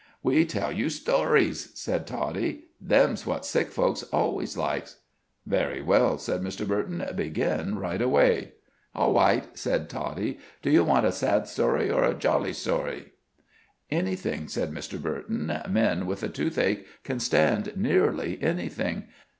"We tell you storiezh," said Toddie. "Them's what sick folks alwayzh likesh." "Very well," said Mr. Burton. "Begin right away." "Aw wight," said Toddie. "Do you want a sad story or a d'zolly one?" "Anything," said Mr. Burton. "Men with the toothache can stand nearly anything.